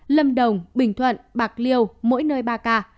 lâm đồng bình thuận bạc liêu mỗi nơi ba ca